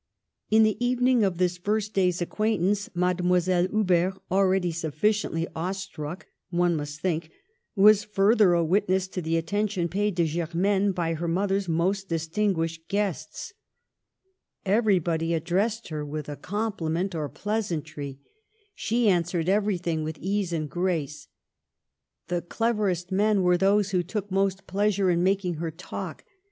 In the even ing of this first day's acquaintance, Mademoiselle Huber, already sufficiently awe struck, one must think, was further a witness to the attention paid to Germaine by her mother's most distinguished guests. " Everybody addressed her with a compliment Digitized by VjOOQIC 22 MADAME DE STAML. or a pleasantry. She answered everything with ease and grace. ... The cleverest men were those who took most pleasure in making her talk.